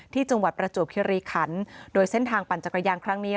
จังหวัดประจวบคิริขันโดยเส้นทางปั่นจักรยานครั้งนี้